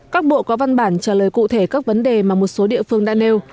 các bộ có văn bản trả lời cụ thể các vấn đề mà một số địa phương đã nêu